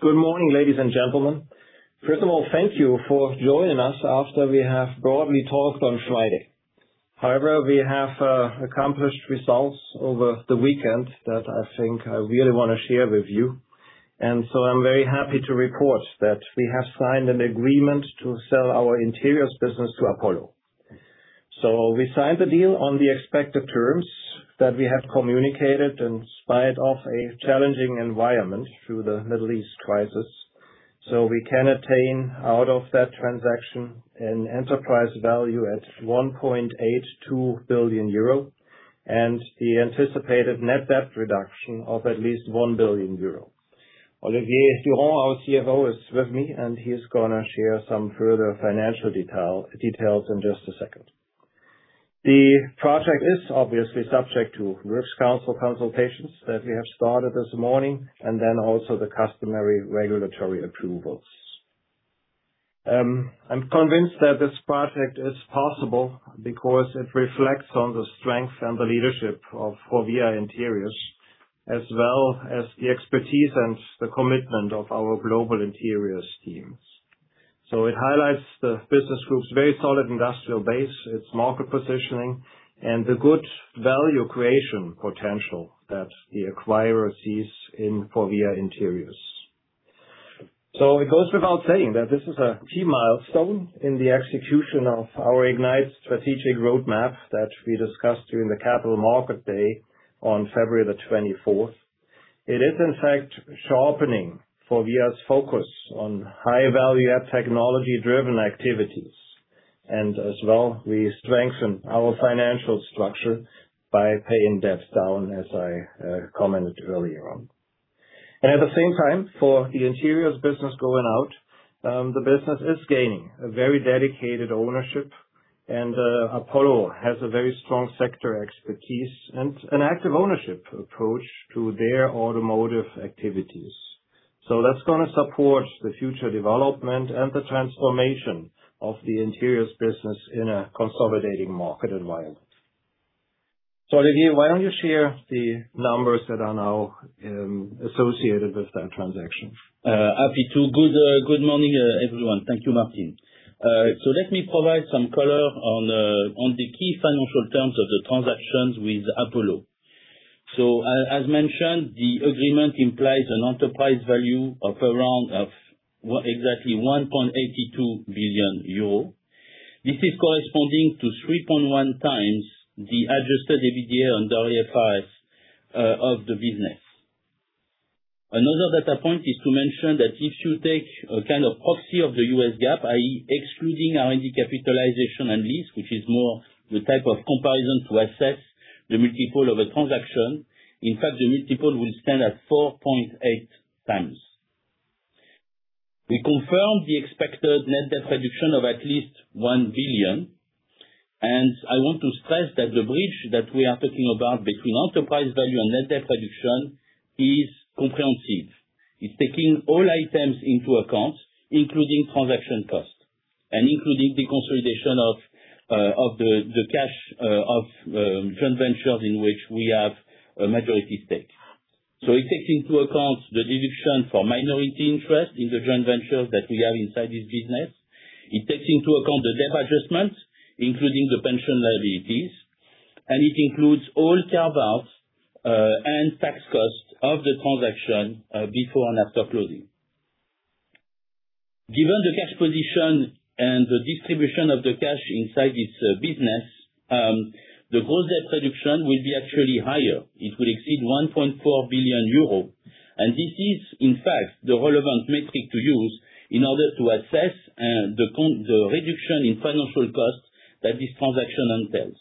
Good morning, ladies and gentlemen. First of all, thank you for joining us after we have broadly talked on Friday. However, we have, uh, accomplished results over the weekend that I think I really wanna share with you. And so I'm very happy to report that we have signed an agreement to sell our Interiors business to Apollo. So we signed the deal on the expected terms that we have communicated in spite of a challenging environment through the Middle East crisis. So we can attain out of that transaction an enterprise value at 1.82 billion euro, and the anticipated net debt reduction of at least 1 billion euro. Olivier Durand, our CFO, is with me, and he's gonna share some further financial detail, details in just a second. The project is obviously subject to works council consultations that we have started this morning, and then also the customary regulatory approvals. I'm convinced that this project is possible because it reflects on the strength and the leadership of Forvia Interiors, as well as the expertise and the commitment of our global Interiors teams. It highlights the business group's very solid industrial base, its market positioning, and the good value creation potential that the acquirer sees in Forvia Interiors. It goes without saying that this is a key milestone in the execution of our IGNITE Strategic Roadmap that we discussed during the Capital Markets Day on February 24th. It is in fact sharpening Forvia's focus on high-value add technology-driven activities. As well, we strengthen our financial structure by paying debts down, as I commented earlier on. And at the same time, for the Interiors business going out, um, the business is gaining a very dedicated ownership and, uh, Apollo has a very strong sector expertise and an active ownership approach to their automotive activities. So that's gonna support the future development and the transformation of the Interiors business in a consolidating market environment. So Olivier, why don't you share the numbers that are now, um, associated with that transaction? Happy to. Good morning, everyone. Thank you, Martin. Let me provide some color on the key financial terms of the transactions with Apollo. As mentioned, the agreement implies an enterprise value of exactly 1.82 billion euros. This is corresponding to 3.1x the adjusted EBITDA [under the parts] of the business. Another data point is to mention that if you take a kind of proxy of the U.S. GAAP, i.e., excluding R&D capitalization and lease, which is more the type of comparison to assess the multiple of a transaction, in fact, the multiple will stand at 4.8x. We confirm the expected net-debt reduction of at least 1 billion. And I want to stress that the bridge that we are talking about between enterprise value and net-debt reduction is comprehensive. It's taking all items into account, including transaction costs and including the consolidation of, uh, of the cash, uh, of, um, joint ventures in which we have a majority stake. So it takes into account the deduction for minority interest in the joint ventures that we have inside this business. It takes into account the debt adjustments, including the pension liabilities, and it includes all carrybacks, uh, and tax costs of the transaction, uh, before and after closing. Given the cash position and the distribution of the cash inside this business, um, the gross debt reduction will be actually higher. It will exceed 1.4 billion euros, and this is in fact the relevant metric to use in order to assess the reduction in financial costs that this transaction entails.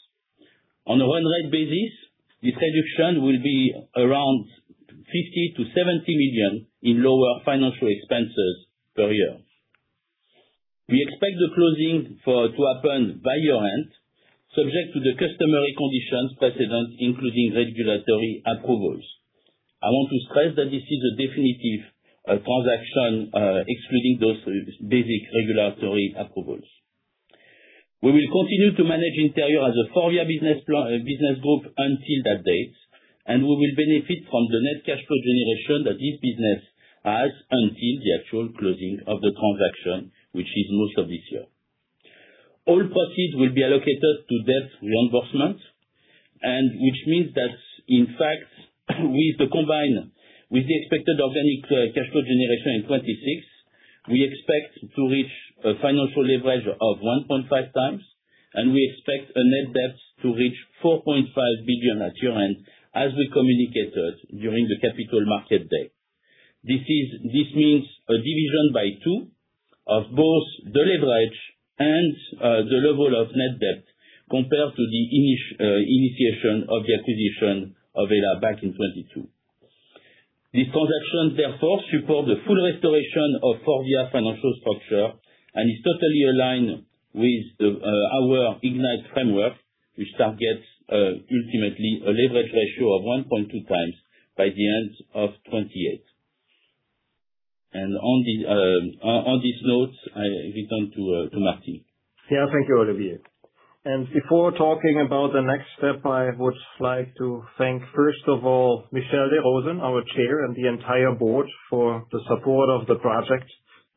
On a run rate basis, this reduction will be around 50 million-70 million in lower financial expenses per year. We expect the closing to happen by year-end, subject to the customary conditions precedent, including regulatory approvals. I want to stress that this is a definitive transaction, excluding those basic regulatory approvals. We will continue to manage Interiors as a Forvia business group until that date, and we will benefit from the net cash flow generation that this business has until the actual closing of the transaction, which is most of this year. All proceeds will be allocated to debt reimbursement, and which means that in fact, with the combine, with the expected organic, uh, cash flow generation in 2026, we expect to reach a financial leverage of 1.5x, and we expect a net-debt to reach 4.5 billion at year-end, as we communicated during the Capital Market Day. This is, this means a division by two of both the leverage and, uh, the level of net-debt compared to initiation of the acquisition of HELLA back in 2022. This transaction therefore supports the full restoration of Forvia financial structure and is totally aligned with the, uh, our Ignite framework, which targets, uh, ultimately a leverage ratio of 1.2x by the end of 2028. And on the, um, o-on this note, I return to, uh, to Martin. Yeah. Thank you, Olivier. Before talking about the next step, I would like to thank, first of all, Michel de Rosen, our Chair, and the entire Board for the support of the project.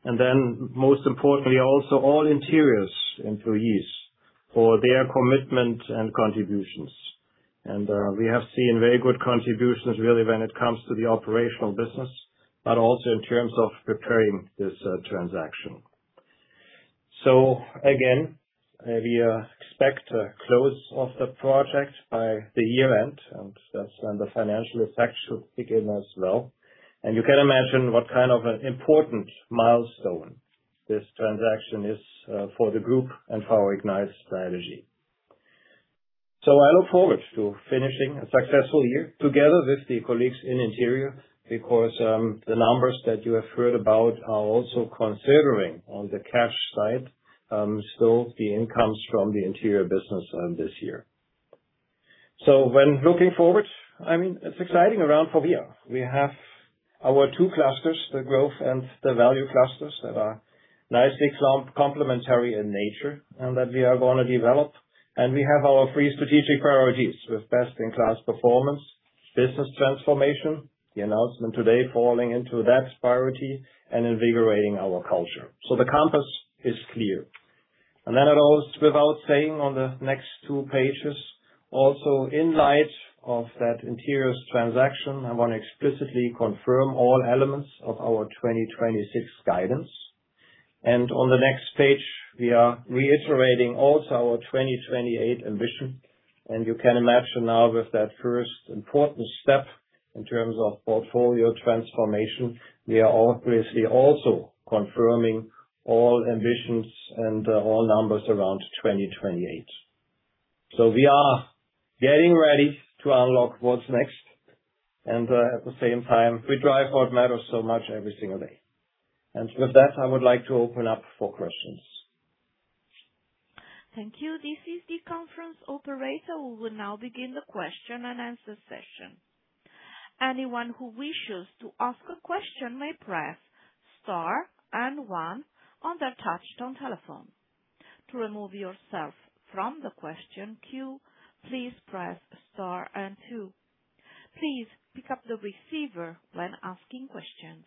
Then most importantly also, all Interiors employees for their commitment and contributions. We have seen very good contributions really when it comes to the operational business, but also in terms of preparing this transaction. Again, we expect a close of the project by the year-end, and that's when the financial effect should begin as well. You can imagine what kind of an important milestone this transaction is for the group and for our IGNITE strategy. I look forward to finishing a successful year together with the colleagues in Interiors, because the numbers that you have heard about are also considering on the cash side, still the incomes from the Interiors business this year. When looking forward, I mean, it's exciting around Forvia. We have our two clusters, the growth and the value clusters, that are nicely complementary in nature and that we are gonna develop. We have our three strategic priorities with best-in-class performance, business transformation. The announcement today falling into that priority and invigorating our culture. The compass is clear. It goes without saying on the next two pages also in light of that Interiors transaction, I wanna explicitly confirm all elements of our 2026 guidance. On the next page we are reiterating also our 2028 ambition. And you can imagine now with that first important step in terms of portfolio transformation, we are obviously also confirming all ambitions and all numbers around 2028. So we are getting ready to unlock what's next and, uh, at the same time we drive what matters so much every single day. And with that, I would like to open up for questions. We will now begin the question-and-answer session. Anyone who wishes to ask a question may press star and one on their touch-tone telephone. To remove yourself from the question queue, please press star and two. Please pick up the receiver when asking questions.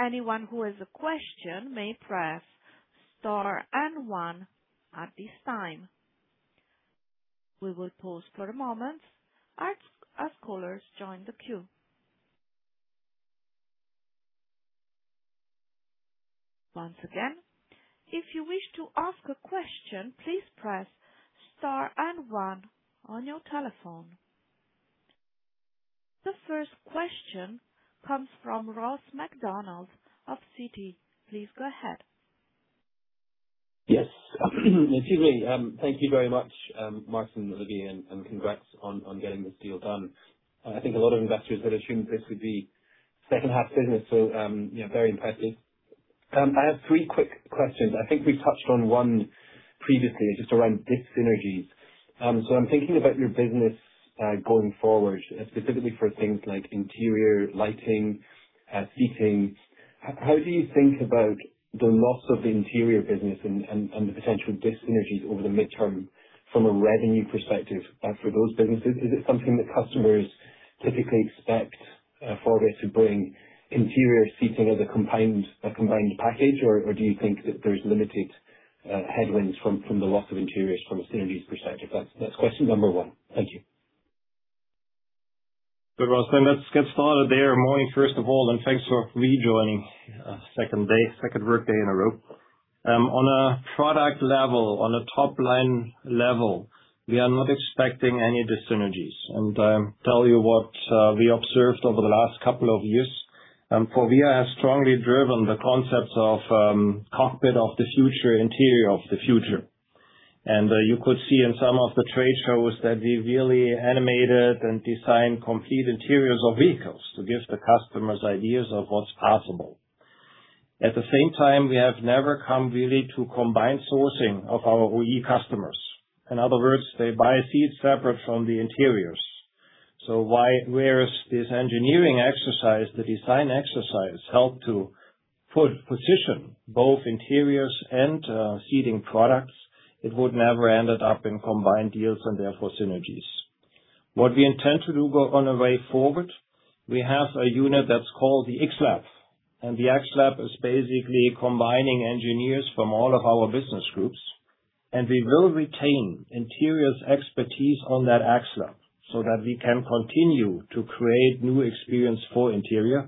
Anyone who has a question may press star and one at this time. We will pause for a moment as callers join the queue. Once again, if you wish to ask a question, please press star and one on your telephone. The first question comes from Ross MacDonald of Citi. Please go ahead. Yes. Good evening. Thank you very much, Martin and Olivier, and congrats on getting this deal done. I think a lot of investors had assumed this would be second half business, you know, very impressive. I have three quick questions. I think we touched on one previously just around dis-synergies. I'm thinking about your business going forward, specifically for things like interior lighting, seating. How do you think about the loss of the Interiors business and the potential dis-synergies over the midterm from a revenue perspective for those businesses? Is it something that customers typically expect for this to bring interior seating as a combined package? Do you think that there's limited headwinds from the loss of Interiors from a synergies perspective? That's question number one. Thank you. So, Ross, then let's get started there. Morning, first of all, and thanks for rejoining. Uh, second day, second workday in a row. Um, on a product level, on a top-line level, we are not expecting any dis-synergies. And, um, tell you what, uh, we observed over the last couple of years, um, Forvia has strongly driven the concepts of, um, Cockpit of the Future, Interiors of the Future. And, uh, you could see in some of the trade shows that we really animated and designed complete Interiors of vehicles to give the customers ideas of what's possible. At the same time, we have never come really to combine sourcing of our OE customers. In other words, they buy seats separate from the Interiors. So why-- whereas this engineering exercise, the design exercise, helped to po-position both Interiors and, uh, seating products, it would never ended up in combined deals and therefore synergies. What we intend to do go-- on the way forward, we have a unit that's called the X-Lab, and the X-Lab is basically combining engineers from all of our business groups, and we will retain Interiors expertise on that X-Lab so that we can continue to create new experience for Interiors.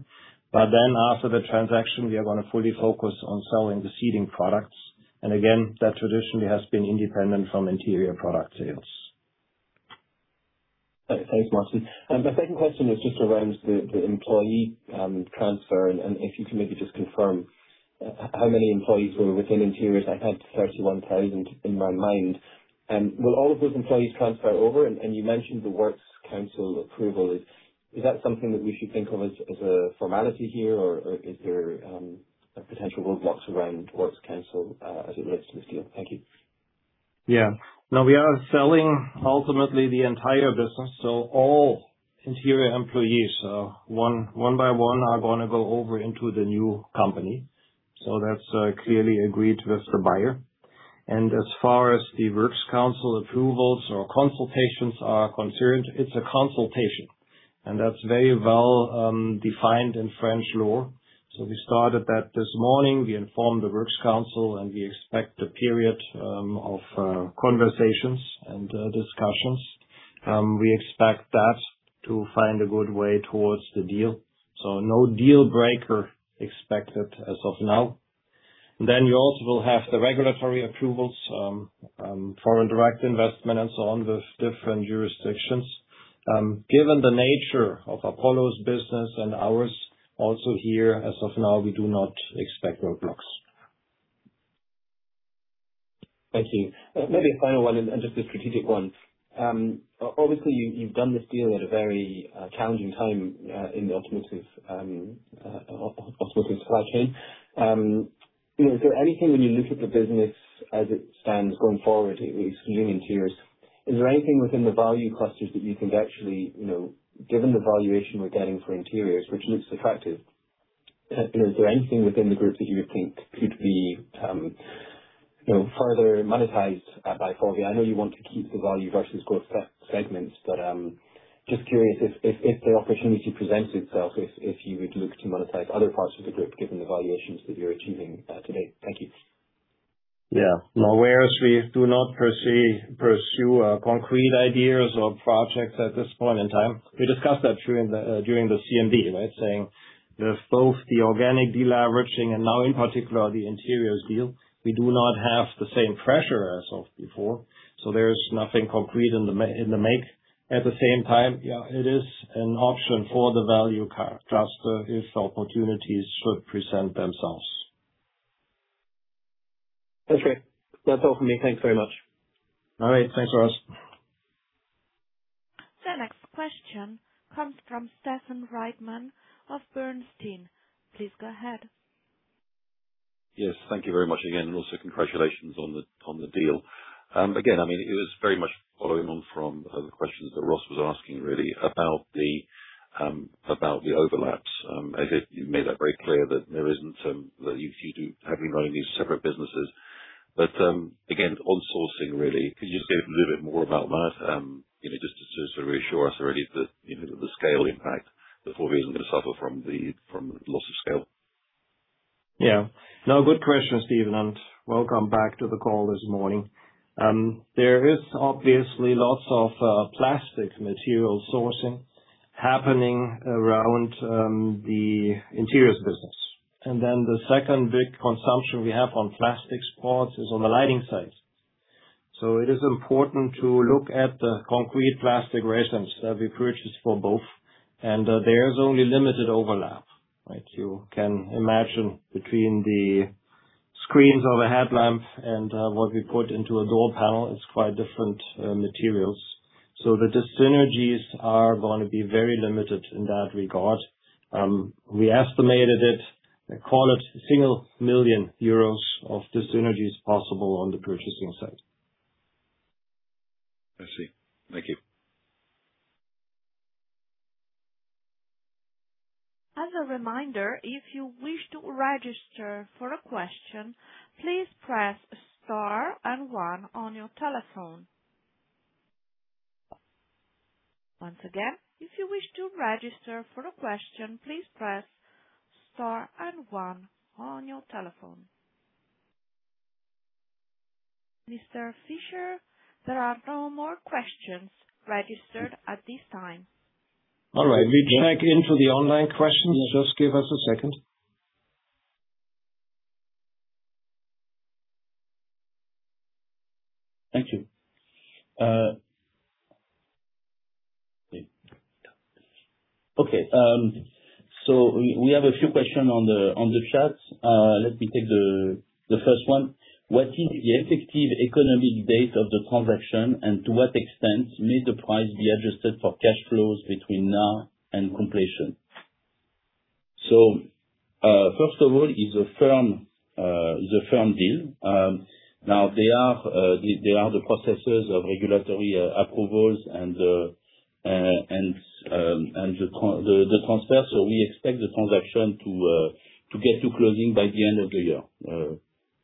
But then after the transaction, we are gonna fully focus on selling the seating products. And again, that traditionally has been independent from Interiors product sales. Thanks, Martin. My second question is just around the employee transfer and if you can maybe just confirm how many employees were within Interiors. I had 31,000 in my mind. Will all of those employees transfer over? You mentioned the works council approval. Is that something that we should think of as a formality here? Is there a potential roadblocks around works council as it relates to this deal? Thank you. Yeah. No, we are selling ultimately the entire business, so all- Interiors employees, one by one are gonna go over into the new company, so that's clearly agreed with the buyer. As far as the works council approvals or consultations are concerned, it's a consultation, and that's very well defined in French law. We started that this morning. We informed the works council, and we expect a period of conversations and discussions. We expect that to find a good way towards the deal, so no deal breaker expected as of now. You also will have the regulatory approvals, foreign direct investment and so on with different jurisdictions. Given the nature of Apollo's business and ours also here, as of now, we do not expect roadblocks. Thank you. Uh, maybe a final one and just a strategic one. Um, o-obviously, you've done this deal at a very, uh, challenging time, uh, in the automotive, um, uh, au-automotive supply chain. Um, you know, is there anything when you look at the business as it stands going forward, e-excluding Interiors, is there anything within the value clusters that you think actually, you know, given the valuation we're getting for Interiors, which looks attractive, uh, is there anything within the group that you think could be, um, you know, further monetized, uh, by Forvia? I know you want to keep the value versus growth seg-segments, but, um, just curious if, if the opportunity presents itself, if you would look to monetize other parts of the group given the valuations that you're achieving, uh, today. Thank you. Yeah. Now whereas we do not pursue concrete ideas or projects at this point in time, we discussed that during the CMD, right? Saying with both the organic deleveraging and now in particular the Interiors deal, we do not have the same pressure as of before, so there's nothing concrete in the make. At the same time, yeah, it is an option for the value card, just if opportunities should present themselves. Okay. That's all for me. Thank you very much. All right. Thanks, Ross. The next question comes from Stephen Reitman of Bernstein. Please go ahead. Yes, thank you very much again. Also congratulations on the deal. again, I mean, it was very much following on from the questions that Ross was asking, really, about the overlaps. I think you made that very clear that there isn't, that you do have been running these separate businesses. But, again, on sourcing really, could you just give a little bit more about that, you know, just to sort of reassure us really that, you know, that the scale impact, that Forvia isn't gonna suffer from the loss of scale. Yeah. No, good question, Stephen, and welcome back to the call this morning. There is obviously lots of plastic material sourcing happening around the Interiors business. The second big consumption we have on plastic parts is on the lighting side. It is important to look at the concrete plastic resins that we purchase for both, and there is only limited overlap. You can imagine between the screens of a headlamp and what we put into a door panel is quite different materials. The dyssynergies are very limited in that regard. We estimated it, call it single million euros of dyssynergies possible on the purchasing side. I see. Thank you. As a reminder, if you wish to register for a question, please press star and one on your telephone. Once again, if you wish to register for a question, please press star and one on your telephone. Mr. Fischer, there are no more questions registered at this time. All right. We check into the online questions. Just give us a second. Thank you. Okay, we have a few question on the chat. Let me take the first one. What is the effective economic date of the transaction, and to what extent may the price be adjusted for cash flows between now and completion? First of all, it's a firm deal. Now there are the processes of regulatory approvals and the transfer, so we expect the transaction to get to closing by the end of the year,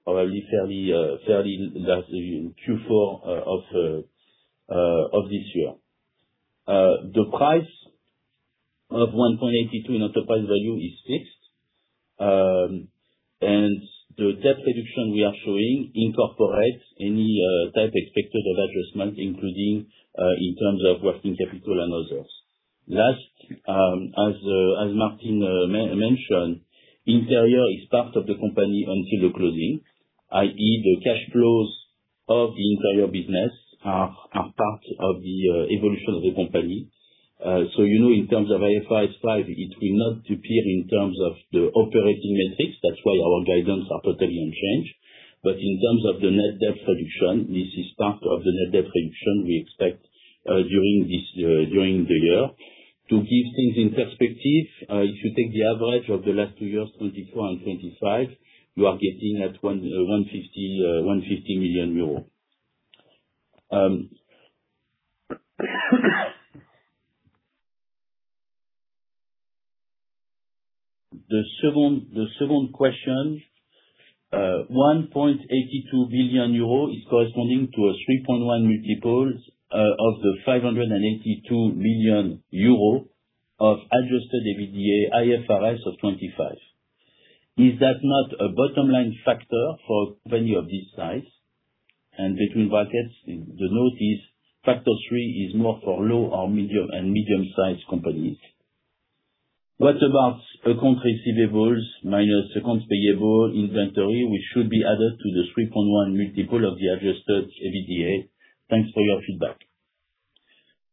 probably fairly lastly in Q4 of this year. The price of 1.82 billion in enterprise value is fixed. Um, and the debt reduction we are showing incorporates any, uh, debt expected of adjustment, including, uh, in terms of working capital and others. Last, um, as, uh, as Martin, uh, me-mentioned, interior is part of the company until the closing, i.e., the cash flows of the interior business are part of the, uh, evolution of the company. Uh, so you know in terms of IFRS 5, it will not appear in terms of the operating metrics. That's why our guidance are totally unchanged. But in terms of the net debt reduction, this is part of the net debt reduction we expect, uh, during this, uh, during the year. To give things in perspective, uh, if you take the average of the last two years, 2024 and 2025, you are getting at 150 million euros. Um, the second, the second question, uh, 1.82 billion euro is corresponding to a 3.1x of the 582 million euro of adjusted EBITDA IFRS of 2025. Is that not a bottom line factor for value of this size? And between brackets, the note is Factor Three is more for low or medium and medium sized companies. What about accounts receivables minus accounts payable inventory, which should be added to the 3.1x of the adjusted EBITDA. Thanks for your feedback.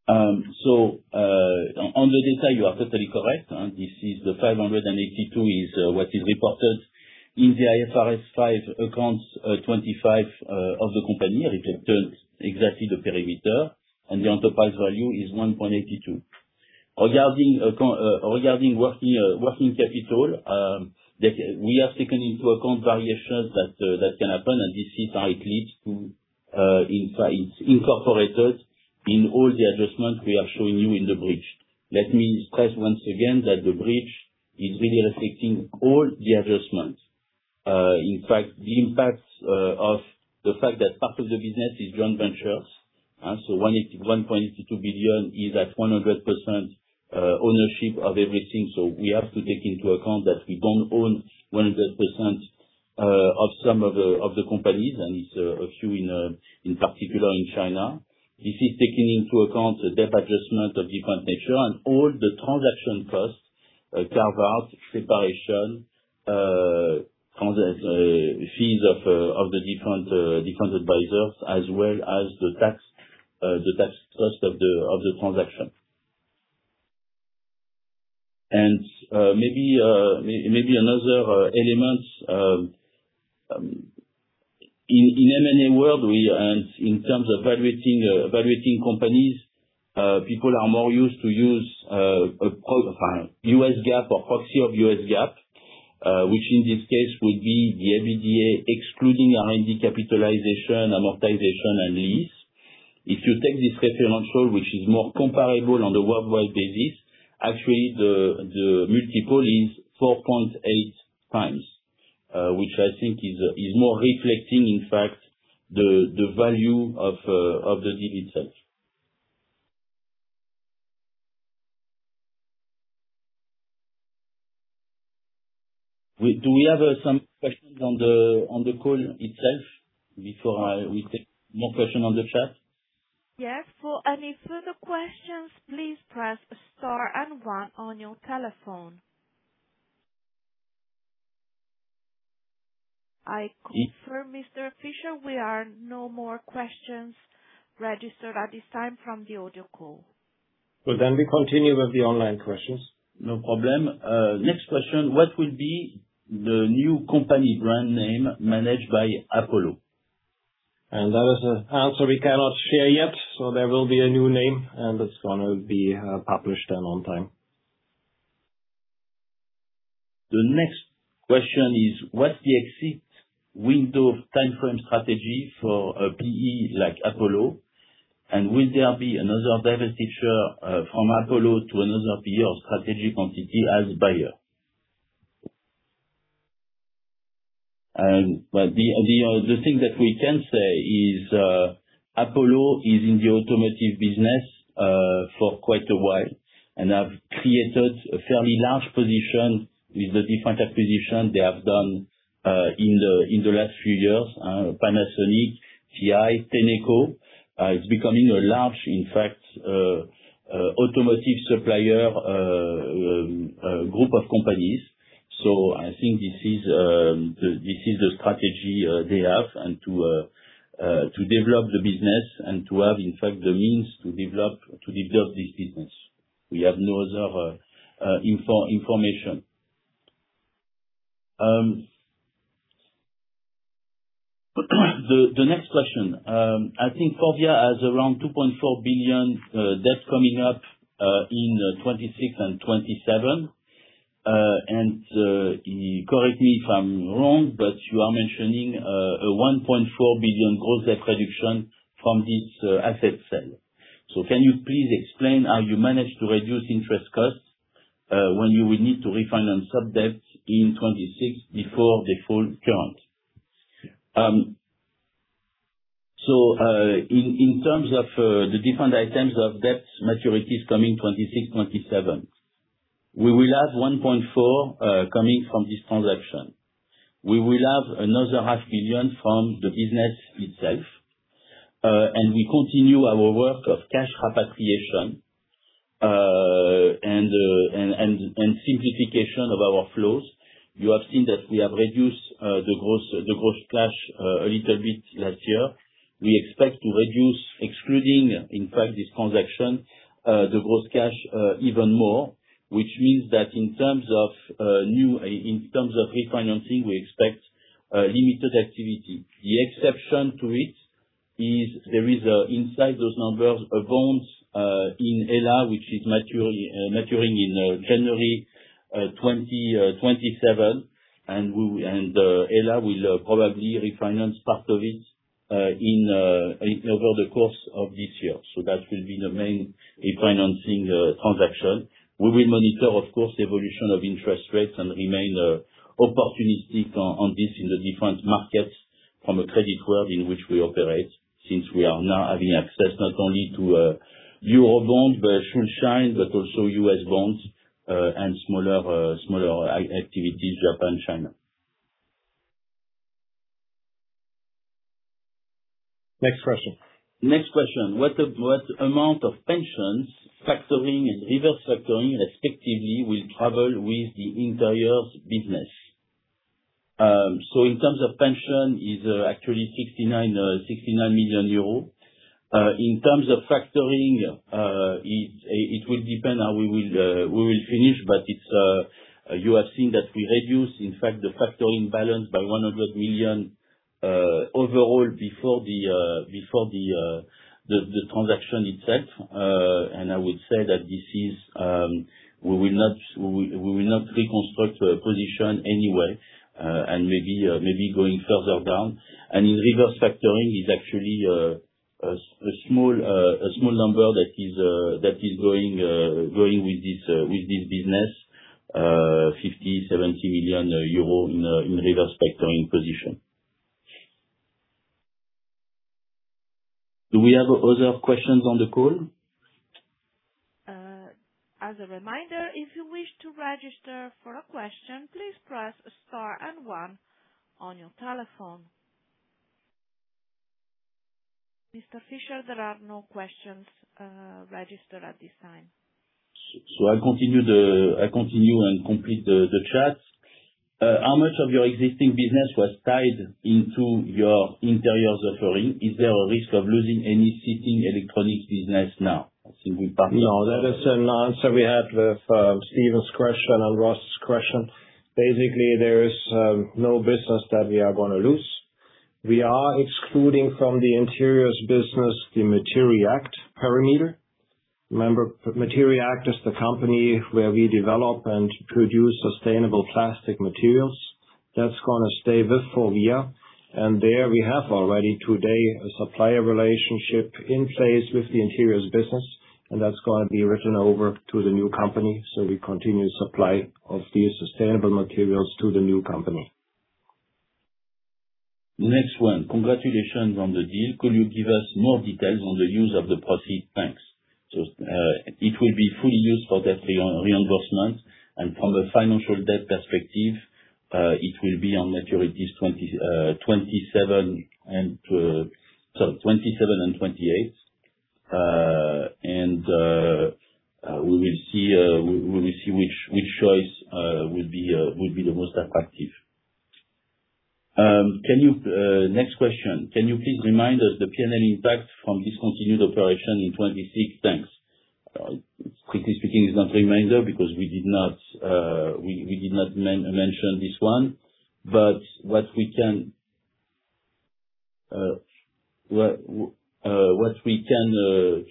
Um, so, uh, on the detail, you are totally correct. And this is the 582 million is what is reported in the IFRS 5 accounts, 2025, uh, of the company. It returns exactly the perimeter, and the enterprise value is 1.82 billion. Regarding working capital, that we are taking into account variations that can happen, this is why it leads to, in fact, it's incorporated in all the adjustments we are showing you in the bridge. Let me stress once again that the bridge is really reflecting all the adjustments. In fact, the impact of the fact that part of the business is joint ventures. 1.82 billion is at 100% ownership of everything. We have to take into account that we don't own 100% of some of the companies, and it's a few in particular in China. This is taking into account the debt adjustment of different nature and all the transaction costs, uh, carve-outs, preparation, uh, trans- uh, fees of, uh, of the different, uh, different advisors, as well as the tax, uh, the tax cost of the, of the transaction. And, uh, maybe, uh, may-maybe another, uh, element, um, in M&A world, we, uh, in terms of evaluating, uh, evaluating companies, uh, people are more used to use, uh, a profile, U.S. GAAP or proxy of U.S. GAAP, uh, which in this case would be the EBITDA excluding R&D capitalization, amortization and lease. If you take this referential, which is more comparable on the worldwide basis, actually the multiple is four point eight times, uh, which I think is more reflecting, in fact, the value of, uh, of the deal itself. Do we have some questions on the call itself before we take more question on the chat? Yes. For any further questions, please press star and one on your telephone. I confirm, Mr. Fischer, we are no more questions registered at this time from the audio call. So then we continue with the online questions. No problem. Uh, next question. What will be the new company brand name managed by Apollo? That is a answer we cannot share yet. There will be a new name and that's gonna be published on on time. The next question is, what's the exit window timeframe strategy for a PE like Apollo? Will there be another divestiture, from Apollo to another peer or strategic entity as buyer? Well, the thing that we can say is, Apollo is in the automotive business for quite a while, and have created a fairly large position with the different acquisition they have done in the last few years. Panasonic, TI, Tenneco, it's becoming a large, in fact, automotive supplier, group of companies. I think this is the strategy they have and to develop the business and to have, in fact, the means to develop this business. We have no other information. The next question. I think Forvia has around 2.4 billion debt coming up in 2026 and 2027. Correct me if I'm wrong, you are mentioning a 1.4 billion gross debt reduction from this asset sale. Can you please explain how you managed to reduce interest costs when you will need to refinance sub-debt in 2026 before the full term? In terms of the different items of debt maturities coming 2026, 2027, we will have 1.4 billion coming from this transaction. We will have another 0.5 billion from the business itself. We continue our work of cash repatriation and simplification of our flows. You have seen that we have reduced the gross cash a little bit last year. We expect to reduce excluding, in fact, this transaction, the gross cash even more, which means that in terms of refinancing, we expect limited activity. The exception to it is there is inside those numbers, a bond in HELLA, which is maturing in January 2027. HELLA will probably refinance part of it over the course of this year. That will be the main refinancing transaction. We will monitor, of course, the evolution of interest rates and remain opportunistic on this in the different markets from a credit world in which we operate, since we are now having access not only to euro bonds, but Schuldschein, but also U.S. bonds and smaller activities, Japan, China. Next question. Next question. What amount of pensions factoring and reverse factoring respectively will travel with the Interiors business? In terms of pension is actually 69 million euros. In terms of factoring, it will depend how we will finish, but it's, you have seen that we reduce, in fact, the factoring balance by 100 million overall before the transaction itself. I would say that this is, we will not reconstruct a position anyway, and maybe going further down. In reverse factoring is actually a small number that is going with this business, 50 million- 70 million euro in reverse factoring position. Do we have other questions on the call? As a reminder, if you wish to register for a question, please press star and one on your telephone. Mr. Fischer, there are no questions registered at this time. S-so I continue the, I continue and complete the chat. Uh, how much of your existing business was tied into your Interiors offering? Is there a risk of losing any seating electronic business now? No, that is an answer we had with Stephen's question, on Ross's question. Basically, there is no business that we are gonna lose. We are excluding from the Interiors business the MATERI'ACT parameter. Remember, MATERI'ACT is the company where we develop and produce sustainable plastic materials. That's gonna stay with Forvia. There we have already today a supplier relationship in place with the Interiors business, and that's gonna be written over to the new company. We continue supply of these sustainable materials to the new company. Next one. Congratulations on the deal. Could you give us more details on the use of the proceed? Thanks. It will be fully used for debt reimbursement. From a financial debt perspective, it will be on maturities 2027 and 2028. We will see which choice will be the most attractive. Can you, next question, can you please remind us the P&L impact from discontinued operation in 2026? Thanks. Quickly speaking, it's not reminder because we did not mention this one. But what we can, uh, what w- uh, what we can,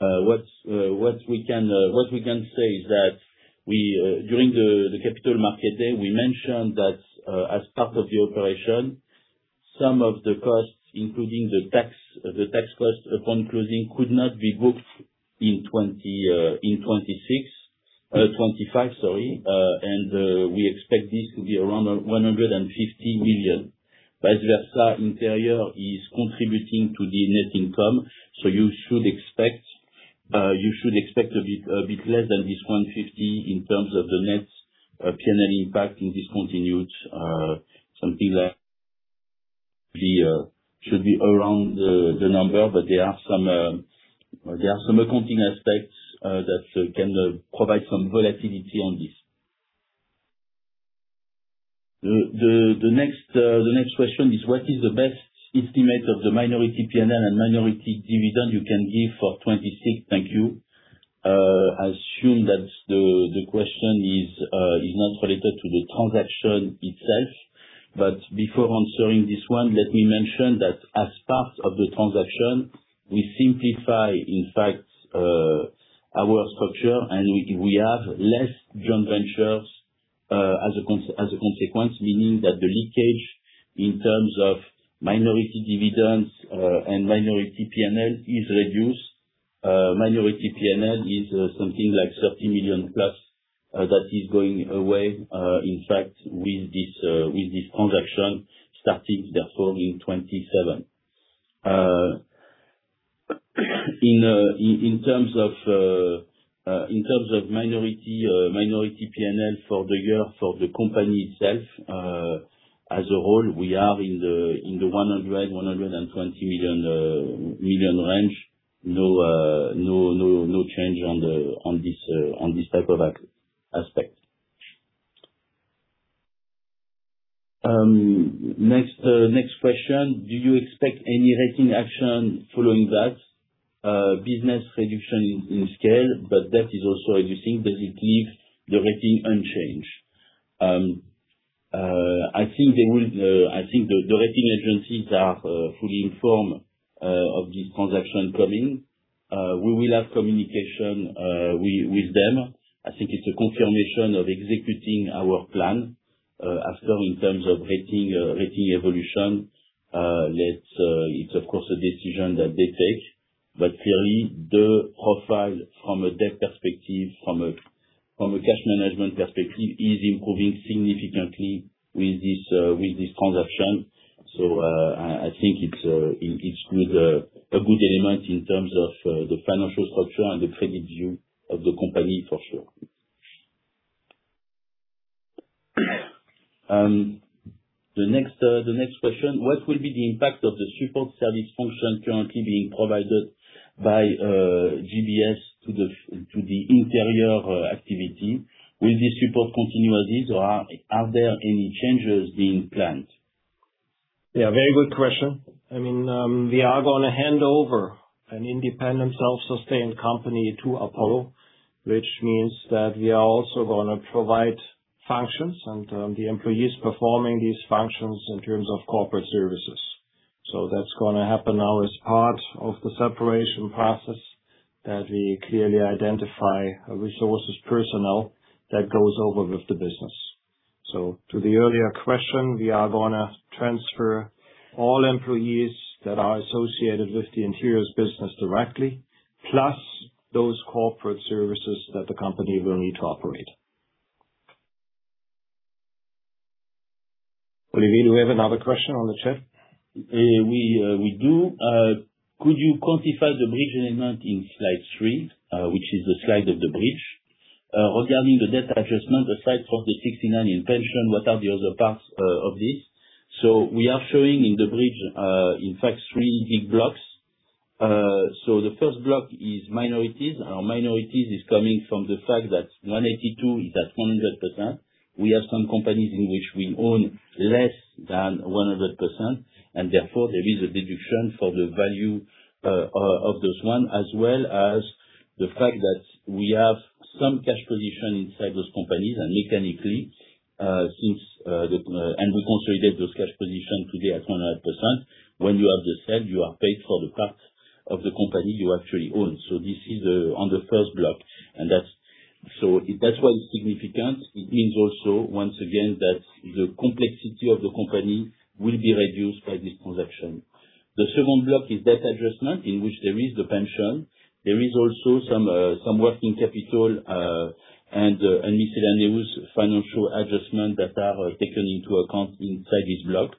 uh, what, uh, what we can, uh, what we can say is that we, uh, during the capital market day, we mentioned that, uh, as part of the operation, some of the costs, including the tax, the tax costs upon closing could not be booked in 2026, uh, 2025, sorry. Uh, and, uh, we expect this to be around 150 million. Vice versa, interior is contributing to the net income. So you should expect, uh, you should expect a bit, a bit less than this 150 million in terms of the net, uh, P&L impact in discontinued. Uh, something like the, uh, should be around the number, but there are some, uh, there are some accounting aspects, uh, that can provide some volatility on this. The next question is what is the best estimate of the minority P&L and minority dividend you can give for 2026? Thank you. I assume that the question is not related to the transaction itself. Before answering this one, let me mention that as part of the transaction, we simplify in fact, our structure, and we have less joint ventures, as a consequence, meaning that the leakage in terms of minority dividends, and minority P&L is reduced. Minority P&L is something like 30 million+, that is going away, in fact with this transaction starting therefore in 2027. In terms of minority P&L for the year, for the company itself, as a whole, we are in the 100 million-120 million range. No change on this type of aspect. Next question. Do you expect any rating action following that business reduction in scale? That is also existing. Does it leave the rating unchanged? I think they will, I think the rating agencies are fully informed of this transaction coming. We will have communication with them. I think it's a confirmation of executing our plan, after in terms of rating evolution. Let's, it's of course a decision that they take. Clearly the profile from a debt perspective, from a cash management perspective, is improving significantly with this transaction. I think it's a good element in terms of the financial structure and the credit view of the company for sure. The next question, what will be the impact of the support service function currently being provided by GBS to the interior activity? Will this support continue as is or are there any changes being planned? Yeah, very good question. I mean, we are gonna hand over an independent self-sustained company to Apollo, which means that we are also gonna provide functions and the employees performing these functions in terms of corporate services. That's gonna happen now as part of the separation process, that we clearly identify resources personnel that goes over with the business. To the earlier question, we are gonna transfer all employees that are associated with the Interiors business directly, plus those corporate services that the company will need to operate. Olivier, do we have another question on the chat? We do. Could you quantify the bridge element in slide three, which is the slide of the bridge? Regarding the debt adjustment, aside from the 69 million in pension, what are the other parts of this? We are showing in the bridge, in fact three big blocks. The first block is minorities. Our minorities is coming from the fact that 1.82 billion is at 100%. We have some companies in which we own less than 100%, and therefore there is a deduction for the value of those one. As well as the fact that we have some cash position inside those companies and mechanically, since, and we consolidated those cash position today at 100%. When you have the sale, you are paid for the part of the company you actually own. This is on the first block, and that's. That's why it's significant. It means also, once again, that the complexity of the company will be reduced by this transaction. The second block is debt adjustment, in which there is the pension. There is also some working capital and miscellaneous financial adjustments that are taken into account inside this block.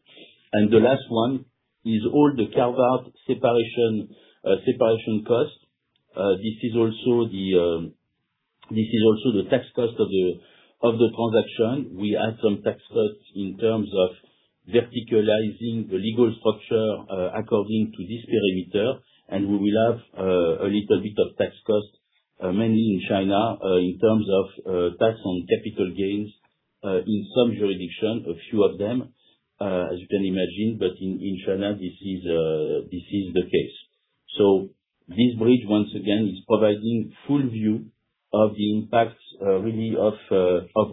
The last one is all the carve-out separation costs. This is also the tax cost of the transaction. We had some tax cuts in terms of verticalizing the legal structure, according to this perimeter, and we will have a little bit of tax costs, mainly in China, in terms of tax on capital gains, in some jurisdictions, a few of them, as you can imagine. In China, this is the case. This bridge once again is providing full view of the impact, really of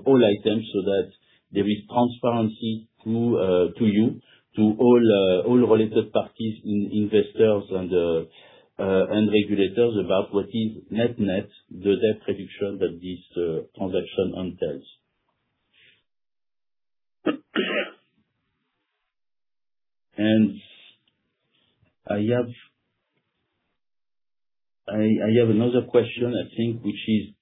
all items, so that there is transparency to you, to all related parties, investors and regulators about what is net-net, the debt reduction that this transaction entails. I have another question I think, which is,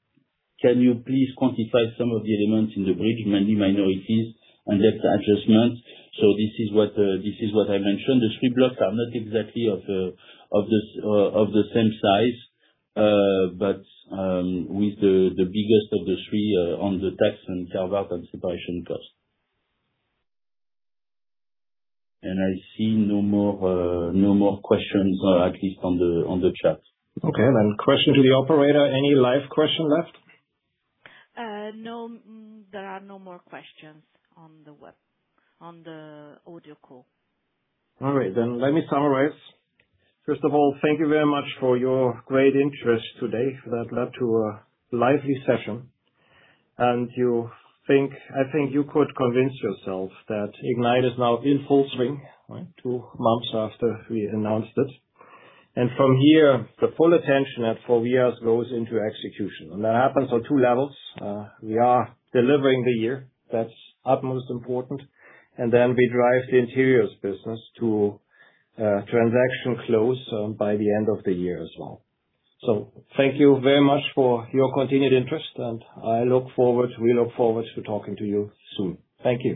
can you please quantify some of the elements in the bridge, mainly minorities and debt adjustment? So this is what, uh, this is what I mentioned. The three blocks are not exactly of, uh, of the s- uh, of the same size. Uh, but, um, with the biggest of the three, uh, on the tax and carve-out and separation cost. And I see no more, uh, no more questions, uh, at least on the, on the chat. Okay, question to the operator, any live question left? Uh, no, mm, there are no more questions on the web-- on the audio call. All right, let me summarize. First of all, thank you very much for your great interest today. That led to a lively session. I think you could convince yourself that IGNITE is now in full swing, right? Two months after we announced it. From here, the full attention at Forvia's goes into execution. That happens on two levels. We are delivering the year, that's utmost important, and then we drive the Interiors business to a transaction close by the end of the year as well. Thank you very much for your continued interest, and I look forward, we look forward to talking to you soon. Thank you.